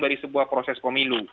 dari sebuah proses pemilu